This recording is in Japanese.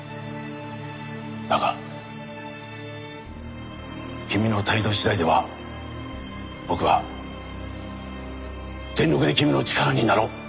だが君の態度次第では僕は全力で君の力になろう。